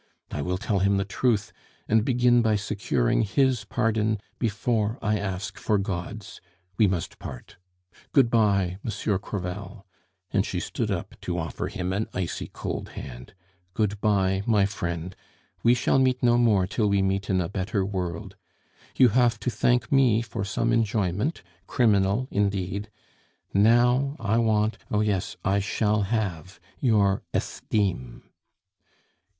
I will tell him the truth, and begin by securing his pardon before I ask for God's. We must part. Good bye, Monsieur Crevel," and she stood up to offer him an icy cold hand. "Good bye, my friend; we shall meet no more till we meet in a better world. You have to thank me for some enjoyment, criminal indeed; now I want oh yes, I shall have your esteem."